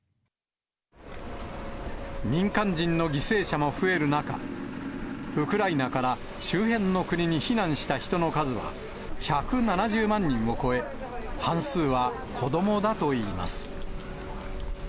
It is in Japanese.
民間人の犠牲者も増える中、ウクライナから周辺の国に避難した人の数は１７０万人を超え、半数は子どもだといいます。